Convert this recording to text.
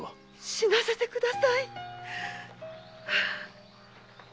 死なせてください！